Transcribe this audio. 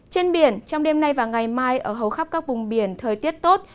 trên biển trong đêm nay và ngày mai ở hầu khắp các vùng biển thời tiết tốt